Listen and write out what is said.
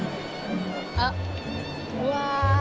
あっうわ。